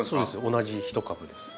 同じ１株です。